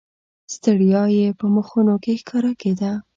ستړیا یې په مخونو کې ښکاره کېده.